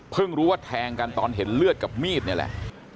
รู้ว่าแทงกันตอนเห็นเลือดกับมีดนี่แหละ